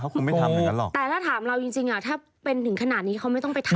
แต่ถ้าถามเรายังจริงอ่ะถ้าเป็นถึงขนาดนี้เขาไม่ต้องไปทำ